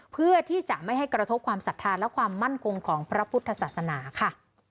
เพื่อที่จะไม่ให้กระทบความศรัทธาและความมั่นคงของพระพุทธศาสนาค่ะ